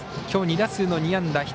きょう２打数の２安打。